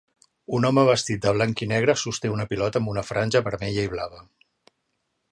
Un home vestit de blanc i negre sosté una pilota amb una franja vermella i blava.